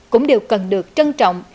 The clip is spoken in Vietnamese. cũng đều cần được trân trọng